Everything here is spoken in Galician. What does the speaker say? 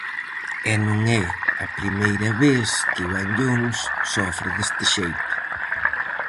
E non é a primeira vez que o Anllóns sofre deste xeito.